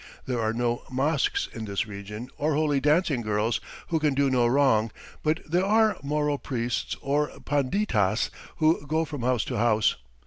There are no mosques in this region or holy dancing girls (who can do no wrong) but there are Moro priests or panditas who go from house to house.